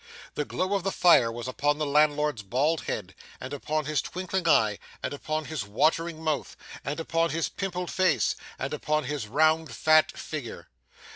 The glow of the fire was upon the landlord's bald head, and upon his twinkling eye, and upon his watering mouth, and upon his pimpled face, and upon his round fat figure.